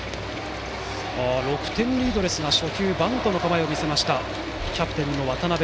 ６点リードですが初球、バントの構えから来たキャプテンの渡邊。